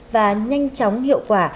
và nhanh chóng hiệu quả